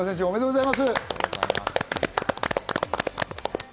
おめでとうございます。